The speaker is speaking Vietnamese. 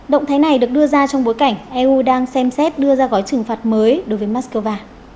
động thái này được đưa ra trong bối cảnh eu đang xem xét đưa ra gói trừng phạt mới đối với moscow